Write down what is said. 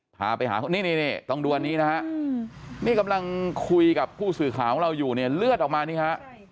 หาไปหานี่ต้องดูอันนี้มีกำลังคุยกับผู้สื่อขาของเราอยู่เลือดออกมานี่ค่ะ